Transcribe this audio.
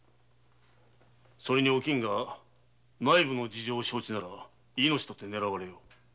それにおきんが内部の事情を承知なら命がねらわれる。